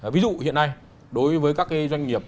ví dụ hiện nay đối với các doanh nghiệp